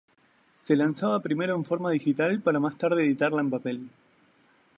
Se lanzaba primero en forma digital para más tarde editarla en papel.